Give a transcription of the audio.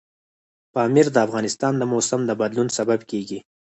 پامیر د افغانستان د موسم د بدلون سبب کېږي.